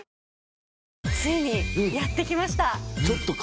ついにやってきました。